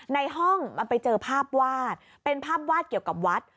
ในห้องมันไปเจอภาพวาดเป็นภาพวาดเกี่ยวกับวัด